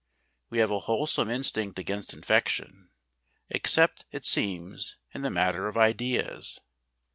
We have a wholesome instinct against infection, except, it seems, in the matter of ideas.